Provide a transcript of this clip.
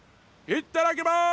いただきます！